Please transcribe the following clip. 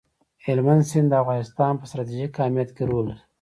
هلمند سیند د افغانستان په ستراتیژیک اهمیت کې رول لري.